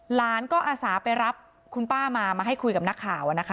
หลานก็อาสาไปรับคุณป้ามามาให้คุยกับนักข่าวนะคะ